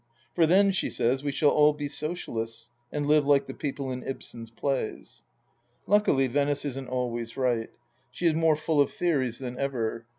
For then, she says, we shall all be Socialists, and live like the people in Ibsen's plays. Luckily, Venice isn't always right. She is more full of theories than ever.